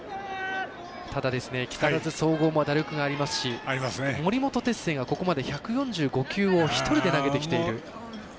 ただ、木更津総合も打力がありますし森本哲星がここまで１４５球を１人で投げてきている。